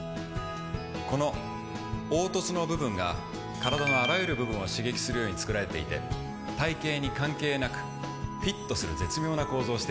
この凹凸の部分が体のあらゆる部分を刺激するように作られていて体形に関係なくフィットする絶妙な構造をしているんです。